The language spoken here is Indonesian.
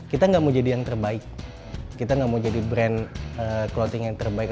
kita nggak mau jadi yang terbaik kita nggak mau jadi brand clothing yang terbaik